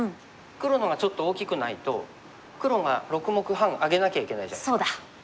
黒の方がちょっと大きくないと黒が６目半あげなきゃいけないじゃないですか。